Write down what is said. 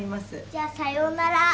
じゃあさようなら。